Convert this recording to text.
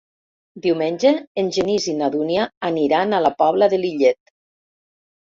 Diumenge en Genís i na Dúnia aniran a la Pobla de Lillet.